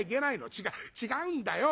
違う違うんだよ。